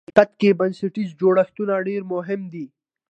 په حقیقت کې بنسټیز جوړښتونه ډېر مهم دي.